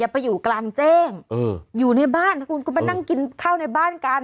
อย่าไปอยู่กลางแจ้งเอออยู่ในบ้านคุณคุณมานั่งกินข้าวในบ้านกัน